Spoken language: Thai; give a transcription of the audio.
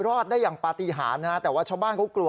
รอดได้อย่างปฏิหารนะฮะแต่ว่าชาวบ้านเขากลัว